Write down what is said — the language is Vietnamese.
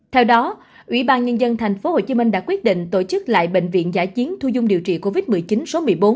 theo đó ủy ban nhân dân tp hcm đã quyết định tổ chức lại bệnh viện giải chiến thu dung điều trị covid một mươi chín số một mươi bốn